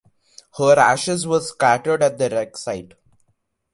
Her ashes were scattered at the wreck site.